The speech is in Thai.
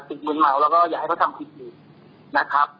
ไม่ถึงหลักหมื่นนะครับ